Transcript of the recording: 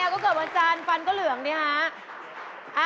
อะไรอ่ะก็เกิดวันจานฟันก็เหลืองดิฮะ